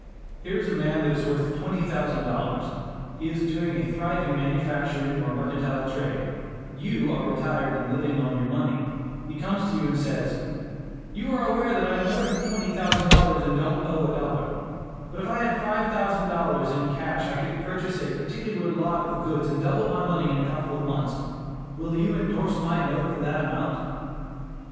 Here is a man that is worth twenty thousand dollars; he is doing a thriving manufacturing or mercantile trade; you are retired and living on your money; he comes to you and says: "You are aware that I am worth twenty thousand dollars, and don't owe a dollar; if I had five thousand dollars in cash, I could purchase a particular lot of goods and double my money in a couple of months; will you indorse my note for that amount?"